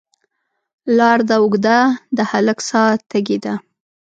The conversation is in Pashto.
لار ده اوږده، د هلک ساه تږې ده